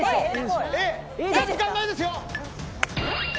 時間がないですよ。